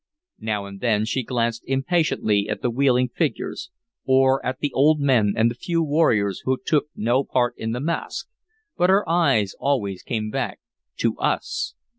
Now and then she glanced impatiently at the wheeling figures, or at the old men and the few warriors who took no part in the masque, but her eyes always came back to us.